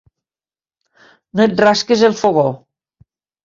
No et rasques el fogó!